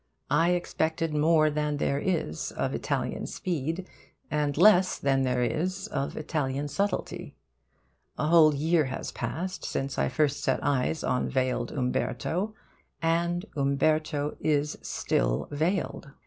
I expected more than there is of Italian speed, and less than there is of Italian subtlety. A whole year has passed since first I set eyes on veiled Umberto. And Umberto is still veiled.